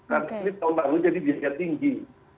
karena ini tahun lalu jadi biaya tinggi